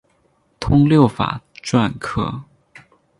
通六法篆刻。